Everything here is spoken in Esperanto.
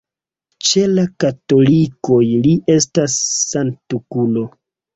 Ĉe la katolikoj li estas sanktulo.